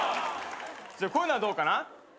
じゃあこういうのはどうかな？